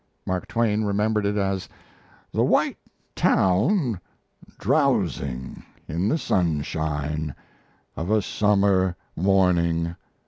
Mark Twain remembered it as "the white town drowsing in the sunshine of a summer morning